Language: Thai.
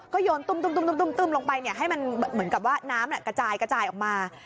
โยนตุ้มลงไปให้มันเหมือนกับว่าน้ำกระจายกระจายออกมา